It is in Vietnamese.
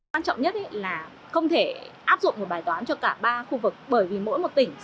làm sao để mỗi tỉnh bật được vai trò của mình với logistics